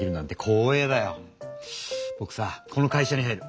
ぼくさこの会社に入る。